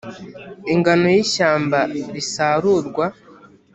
ingano y ishyamba risarurwa